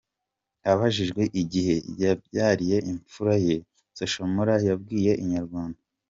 Abajijwe igihe yabyariye imfura ye Social Mula yabwiye Inyarwanda.